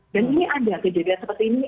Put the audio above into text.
dan ini ada kejadian seperti ini